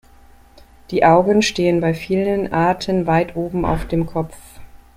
Die Augen stehen bei vielen Arten weit oben auf dem Kopf.